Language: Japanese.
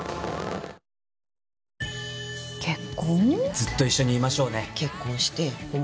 ずっと一緒にいましょうね。